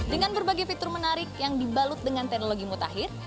dengan berbagai fitur menarik yang dibalut dengan teknologi mutakhir